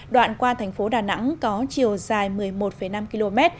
đoạn qua thành phố đà nẵng có chiều dài một mươi một năm km